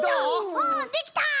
おできた！